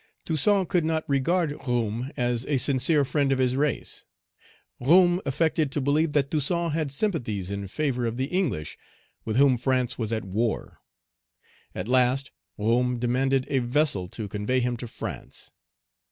Toussaint could not regard Roume as a sincere friend of his race. Roume affected to believe that Toussaint had sympathies in favor of the English, with whom France was at war. At last, Roume demanded a vessel to convey him to France.